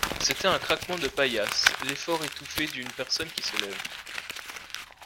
C'était un craquement de paillasse, l'effort étouffé d'une personne qui se lève.